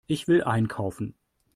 Ich will einkaufen.